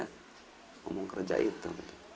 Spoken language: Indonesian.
ngomong kerja itu